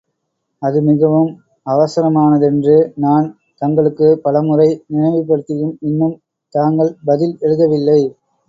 அது மிகவும் அவசரமானதென்று நான் தங்களுக்குப் பல முறை நினைவுபடுத்தியும் இன்னும் தாங்கள் பதில் எழுதவில்லை.